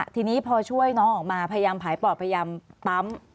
ทีนี้พอช่วยน้องออกมาพยายามผายปอดพยายามปั๊ม